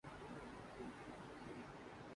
حاصل کر کے اپنی نسل میں منتقل کر کے